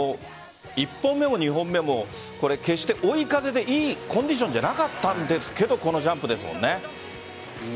１本目も２本目も決して追い風でいいコンディションじゃなかったんですがこのジャンプですもんね。